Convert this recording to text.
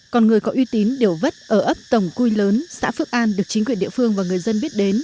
còn người có uy tín điều vất ở ấp tổng cui lớn xã phước an được chính quyền địa phương và người dân biết đến